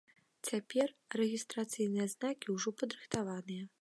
Цяпер рэгістрацыйныя знакі ўжо падрыхтаваныя.